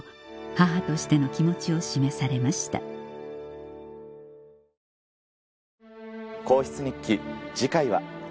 母としての気持ちを示されました『皇室日記』次回は。